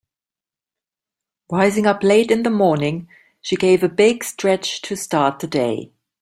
Rising up late in the morning she gave a big stretch to start the day.